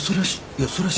いや。